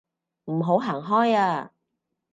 唔好行開啊